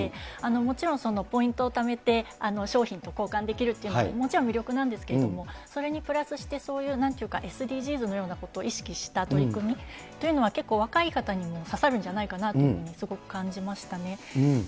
もちろんポイントをためて商品と交換できるというのももちろん魅力なんですけれども、それにプラスして、そういうなんというかＳＤＧｓのようなことを意識した取り組みというのは、結構若い方にも刺さるんじゃないかなということをすごく感じましたね。